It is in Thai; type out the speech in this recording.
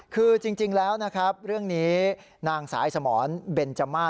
คือจริงแล้วนะครับเรื่องนี้นางสายสมรเบนจมา